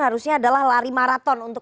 harusnya adalah lari maraton untuk